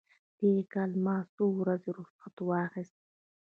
تېر کال ما څو ورځې رخصت واخیست.